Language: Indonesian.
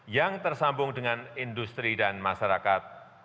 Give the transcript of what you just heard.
yang tersambung dengan industri dan masyarakat